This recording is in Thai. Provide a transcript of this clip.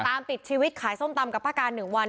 ปิดชีวิตขายส้มตำกับป้าการ๑วัน